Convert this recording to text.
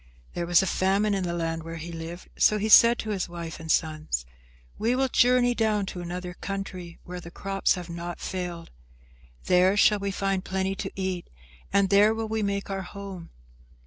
There was a famine in the land where he lived, so he said to his wife and sons, "We will journey down to another country where the crops have not failed. There shall we find plenty to eat, and there will we make our home."